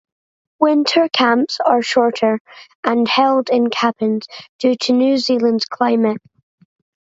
Winter camps are shorter and are held in cabins due to New Zealand's climate.